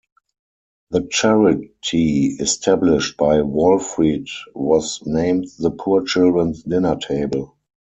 The charity established by Walfrid was named "The Poor Children's Dinner Table".